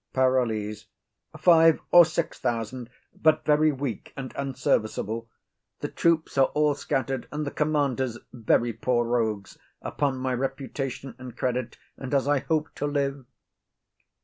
PAROLLES. Five or six thousand; but very weak and unserviceable: the troops are all scattered, and the commanders very poor rogues, upon my reputation and credit, and as I hope to live.